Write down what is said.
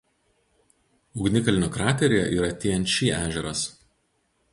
Ugnikalnio krateryje yra Tianči ežeras.